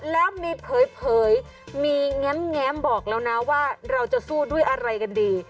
แล้วมีเผยมีแง้มบอกแล้วนะว่าเราจะสู้ด้วยอะไรกันดี